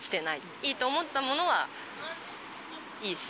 いいと思ったものはいいし。